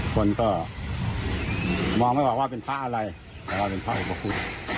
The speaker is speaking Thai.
คนก็มองไม่ออกว่าเป็นพระอะไรแต่ว่าเป็นพระอุปคุฎ